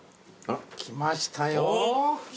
きましたよ。